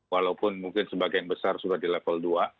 walaupun mungkin sebagian besar sudah di level dua